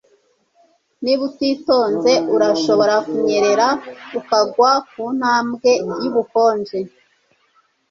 niba utitonze, urashobora kunyerera ukagwa kuntambwe yubukonje